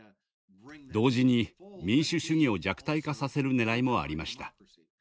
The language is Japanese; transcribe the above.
同時に民主主義を弱体化させるねらいもありました。